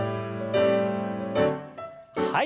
はい。